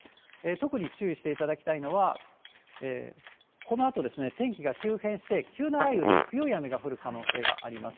特に注意していただきたいのは、このあとですね、天気が急変して、急な雷雨で強い雨が降る可能性があります。